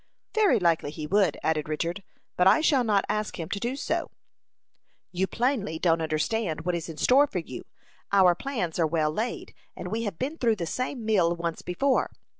"Very likely he would," added Richard, "but I shall not ask him to do so." "You plainly don't understand what is in store for you. Our plans are well laid, and we have been through the same mill once before.